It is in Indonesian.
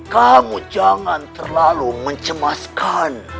kamu jangan terlalu mencemaskan